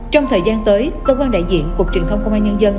trong thời gian tới cơ quan đại diện cục truyền thông công an nhân dân